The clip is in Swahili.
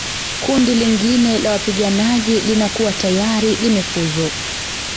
Kundi lingine la wapiganaji linakuwa tayari limefuzu